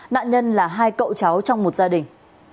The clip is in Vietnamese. nạn nhân là hai cậu cháu trong một gia đình